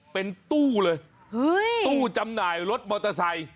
เป็นตู้เลยตู้จำหน่ายรถมอเตอร์ไซค์